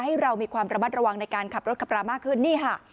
ให้เรามีความระมัดระวังในการขับรถขับรามากขึ้นนี่ค่ะ